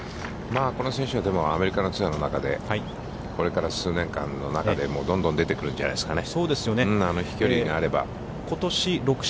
この選手は、アメリカのツアーの中で、これから数年間の中で、どんどん出てくるんじゃないですかね。